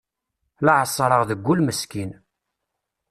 La εeṣreɣ de ul meskin.